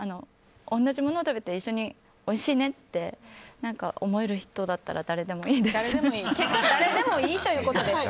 同じものを食べて一緒においしいねって思える人だったら結果誰でもいいということです。